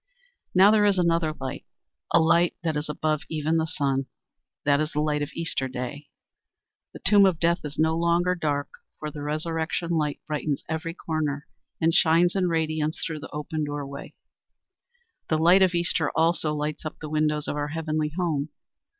Now there is another light, a light that is above even the sun. That is the light of Easter day. The tomb of death is no longer dark, for the resurrection light brightens every corner and shines in radiance through the open doorway. The light of Easter also lights up the windows of our heavenly home.